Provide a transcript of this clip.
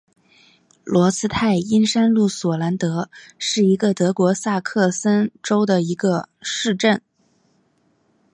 罗茨泰因山麓索兰德是德国萨克森州的一个市镇。